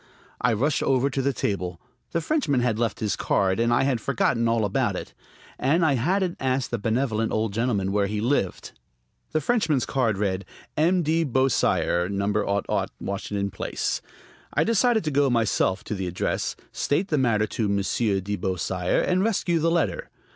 I rushed over to the table. The Frenchman had left his card, and I had forgotten all about it. And I hadn't asked the benevolent old gentleman where he lived. The Frenchman's card read: "M. de Beausire, No. Washington Place." I decided to go myself to the address, state the matter to Monsieur de Beausire, and rescue the letter.